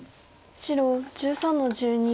白１３の十二。